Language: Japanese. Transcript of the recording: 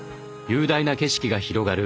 雄大な景色が広がる